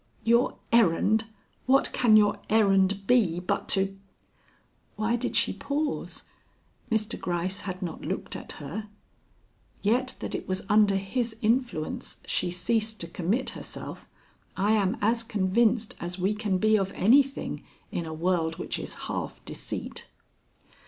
"Your errand? What can your errand be but to " Why did she pause? Mr. Gryce had not looked at her. Yet that it was under his influence she ceased to commit herself I am as convinced as we can be of anything in a world which is half deceit.